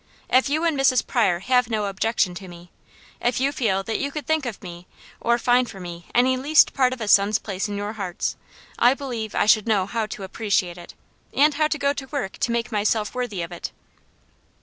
If you and Mrs. Pryor have no objection to me, if you feel that you could think of me, or find for me any least part of a son's place in your hearts, I believe I should know how to appreciate it, and how to go to work to make myself worthy of it."